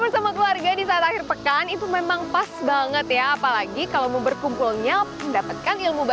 taman wisata ikonek